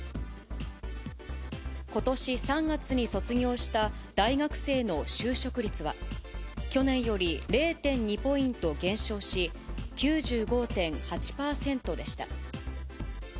ことし３月に卒業した大学生の就職率は、去年より０．２ポイント減少し、９５．８％でした。